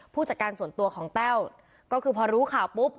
ผู้จัดการส่วนตัวของแต้วก็คือพอรู้ข่าวปุ๊บ